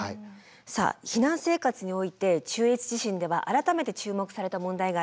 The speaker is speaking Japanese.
さあ避難生活において中越地震では改めて注目された問題がありました。